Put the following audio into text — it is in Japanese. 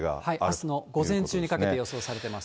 あすの午前中にかけて予想されてます。